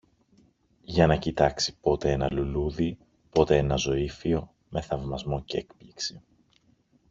για να κοιτάξει πότε ένα λουλούδι, πότε ένα ζωύφιο, με θαυμασμό κι έκπληξη